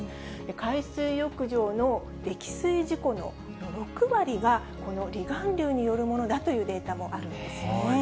海水浴場の溺水事故の６割が、この離岸流によるものだというデータもあるんですね。